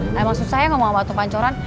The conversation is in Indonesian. aduh emang susah ya ngomong apa tuh pancoran